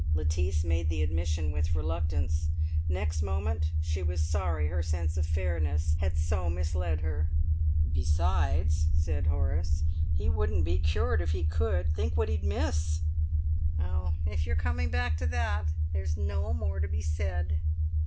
Lettice made the admission with reluctance; next moment she was sorry her sense of fairness had so misled her. "Besides," said Horace, "he wouldn't be cured if he could. Think what he'd miss!" "Oh, if you're coming back to that, there's no more to be said."